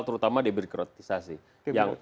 terutama debikrotisasi yang